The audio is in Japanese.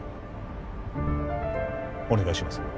お願いします